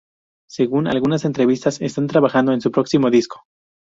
Según algunas entrevistas están trabajando en su próximo disco.